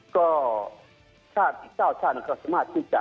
ก็เจ้าชาติเขาสามารถที่จะดำเนินการอุทธรณ์ได้